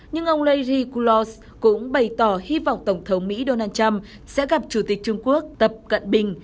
nhưng ông larry kulose cũng bày tỏ hy vọng tổng thống mỹ donald trump sẽ gặp chủ tịch trung quốc tập cận bình